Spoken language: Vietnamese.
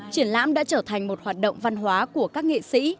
triển lãm đã trở thành một hoạt động văn hóa của các nghệ sĩ